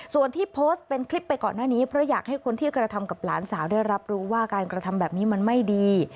ส่วนที่โพสต์เป็นคลิปไปก่อนหน้านี้เพราะอยากให้คนที่กระทำกับหลานสาวได้รับรู้ว่าการกระทำแบบนี้มันไม่ดี